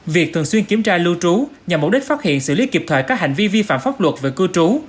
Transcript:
việc thường xuyên kiểm tra lưu trú nhằm mục đích phát hiện xử lý kịp thời các hành vi vi phạm pháp luật về cư trú